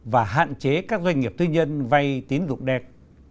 và hạn chế các doanh nghiệp tư nhân vay tín dụng đen